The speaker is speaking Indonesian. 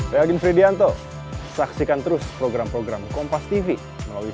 the evidence widianto saksikan terus program program kompas tv melalui